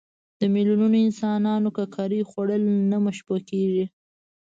د میلیونونو انسانانو ککرې خوړل نه مشبوع کېږي.